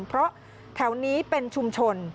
เพราะแถวนี้เป็นชุมชน